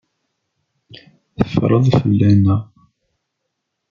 Teffreḍ fell-aneɣ.